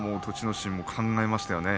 心も考えましたよね。